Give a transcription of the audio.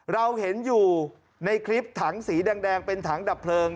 เราเห็นอยู่ในคลิปถังสีแดงเป็นถังดับเพลิง